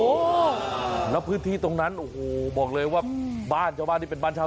โอ้โหแล้วพื้นที่ตรงนั้นโอ้โหบอกเลยว่าบ้านชาวบ้านที่เป็นบ้านเช่า